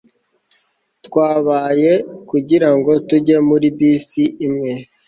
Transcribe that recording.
Twabaye kugirango tujye muri bisi imwe